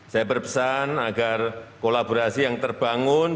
saya berpesan agar kolaborasi yang terbangun